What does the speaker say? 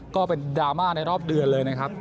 ก็เป็นดราม่าในรอบเดือนเลยนะครับ